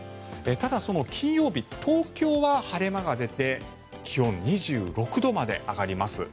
ただ、その金曜日東京は晴れ間が出て気温は２６度まで上がります。